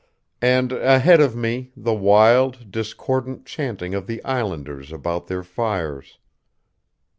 And ahead of me, the wild, discordant chanting of the Islanders about their fires....